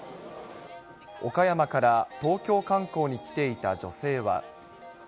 岡山から東京観光に来ていた女性は。